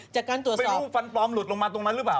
จากการตรวจสอบไม่รู้ฟันปลอมหลุดลงมาตรงนั้นหรือเปล่า